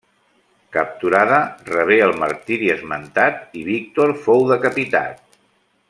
Capturada, rebé el martiri esmentat i Víctor fou decapitat.